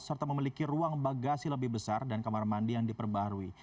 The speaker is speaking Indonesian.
serta memiliki ruang bagasi lebih besar dan kamar mandi yang diperbarui